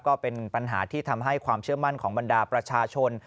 ก็เป็นปัญหาที่ทำให้ความเชื่อมั่นของบรรดาประชาชน